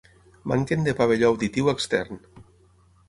Manquen de pavelló auditiu extern.